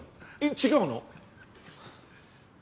違うの？